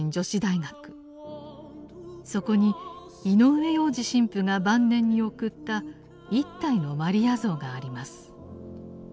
そこに井上洋治神父が晩年に贈った一体のマリア像があります。